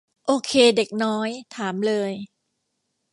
โอเคเด็กน้อย ถามเลย